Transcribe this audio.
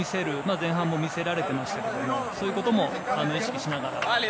前半も見せてましたけどそういうことも意識しながら。